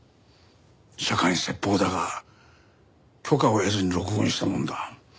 釈に説法だが許可を得ずに録音したものだ。